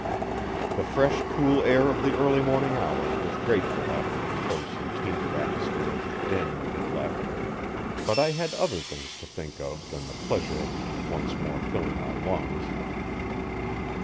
The fresh, cool air of the early morning hours was grateful after the close and tainted atmosphere of the den we had left, but I had other things to think of than the pleasure of once more filling my lungs.